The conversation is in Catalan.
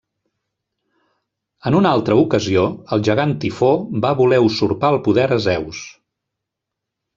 En una altra ocasió, el gegant Tifó va voler usurpar el poder a Zeus.